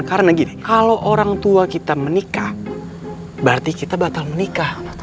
karena gini kalo orang tua kita menikah berarti kita batal menikah